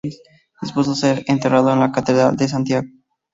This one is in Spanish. Dispuso ser enterrado en la Catedral de Santiago.